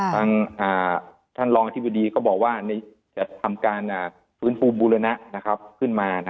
ท่านรองอธิบดีก็บอกว่าจะทำการฟื้นฟูบูรณะขึ้นมา